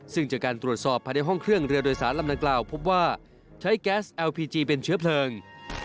ซึ่งจากการตรวจสอบภายในห้องเครื่องเรือโดยสารลำดังกล่าวพบว่าใช้แก๊สแอลพีจีเป็นเชื้อเพลิง